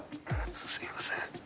すいません